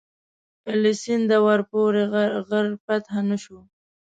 له سینده ورپورې غر فتح نه شو.